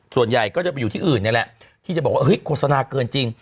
ส่วนใหญ่ก็จะไปอยู่ที่อื่นนี่แหละที่จะบอกว่าเฮ้ยโฆษณาเกินจริง